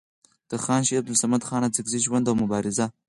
د خان شهید عبدالصمد خان اڅکزي ژوند او مبارزه